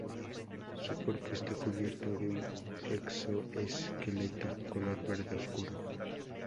Su cuerpo está cubierto de un exoesqueleto color verde oscuro.